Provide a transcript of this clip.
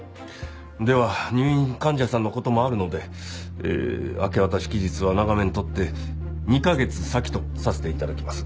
では入院患者さんの事もあるので明け渡し期日は長めに取って２カ月先とさせて頂きます。